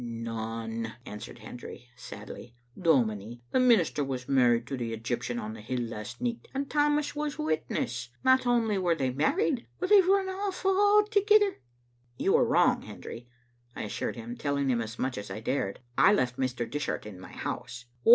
"None," answered Hendry sadly. "Dominie, the minister was married to the Egyptian on the hill last nicht, and Tammas was witness. Not only were they married, but they've run aflE thegither." "You are wrong, Hendry," I assured him, telling as much as I dared. " I left Mr. Dishart in my house.